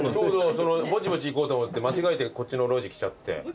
ぼちぼち行こうと思って間違えてこっちの路地来ちゃって。